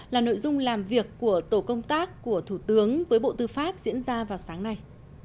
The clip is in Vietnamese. là nội dung làm việc của tổ công tác của thủ tướng với bộ tư pháp diễn ra vào sáng nay